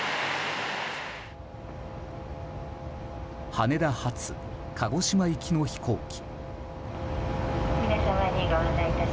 羽田発鹿児島行きの飛行機。